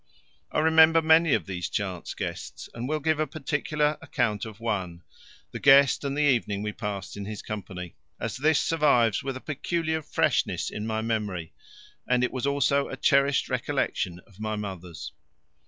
I remember many of these chance guests, and will give a particular account of one the guest and the evening we passed in his company as this survives with a peculiar freshness in my memory, and it was also a cherished recollection of my mother's.